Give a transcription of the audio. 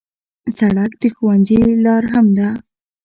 سړک د ښوونځي لار هم ده.